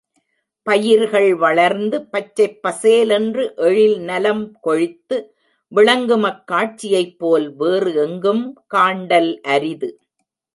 பயிர்கள் வளர்ந்து, பச்சைப் பசேலென்று எழில் நலம் கொழித்து விளங்கும் அக் காட்சியைப்போல் வேறு எங்கும் காண்டல் அரிது.